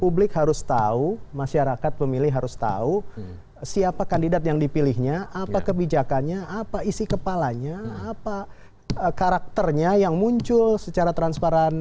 publik harus tahu masyarakat pemilih harus tahu siapa kandidat yang dipilihnya apa kebijakannya apa isi kepalanya apa karakternya yang muncul secara transparan